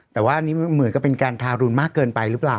แต่ว่าอันนี้เหมือนกับเป็นการทารุณมากเกินไปหรือเปล่า